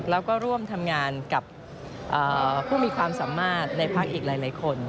แล้วก็ร่วมทำงานกับผู้มีความสามารถในพักอีกหลายคน